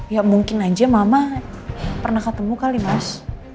ya mungkin aja mama pernah ketemu kali mas